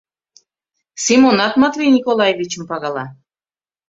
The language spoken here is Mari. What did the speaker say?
Семонат Матвей Николаевичым пагала.